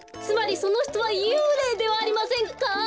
つまりそのひとはゆうれいではありませんか？